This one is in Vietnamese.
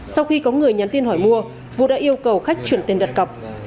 sau khi có người nhắn tin hỏi mua vũ đã yêu cầu khách chuyển tiền đặt cọc